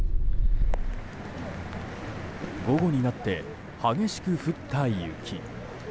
午後になって激しく降った雪。